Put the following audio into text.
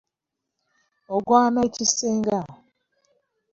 Oggwana ekisinga.